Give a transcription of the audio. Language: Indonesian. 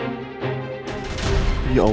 makasih ya dok